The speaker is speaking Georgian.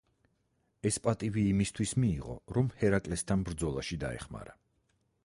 ეს პატივი იმისთვის მიიღო, რომ ჰერაკლესთან ბრძოლაში დაეხმარა.